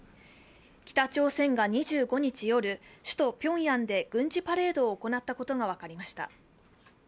北朝鮮が２５日夜、首都ピョンヤンで軍事パレードを行ったことが分かりました。